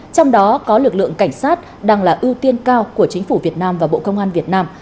trong đó có lực lượng cảnh sát đang là ưu tiên cao của chính phủ việt nam và bộ công an việt nam